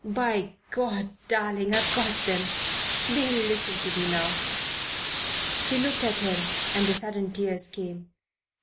"By God, darling, I've got them! They'll listen to me now!" She looked at him and the sudden tears came.